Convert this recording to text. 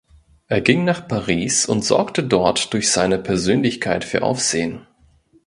Er ging nach Paris und sorgte dort durch seine Persönlichkeit für Aufsehen.